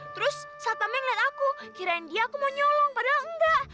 terus satpame ngeliat aku kirain dia aku mau nyolong padahal enggak